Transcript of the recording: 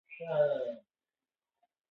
د خپلــــــو وسائیلـــــــو د اختیار نه بې خبره